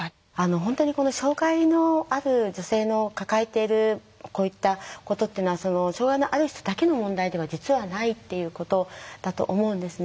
本当に障害のある女性の抱えているこういったことっていうのは障害のある人だけの問題では実はないっていうことだと思うんですね。